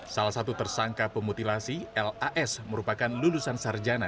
salah satu tersangka pemutilasi las merupakan lulusan sarjana